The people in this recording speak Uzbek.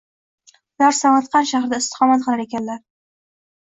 Ular Samarqand shahrida istiqomat qilar ekanlar.